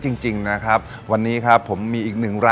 จริงนะครับวันนี้ครับผมมีอีกหนึ่งราย